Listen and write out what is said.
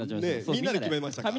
みんなで決めましたから。